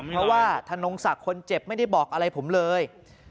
เพราะว่าธนงศักดิ์คนเจ็บไม่ได้บอกอะไรผมเลย